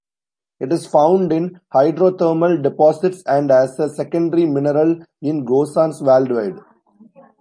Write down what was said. It is found in hydrothermal deposits and as a secondary mineral in gossans worldwide.